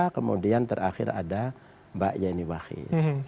kemudian terakhir ada mbak yeni wahid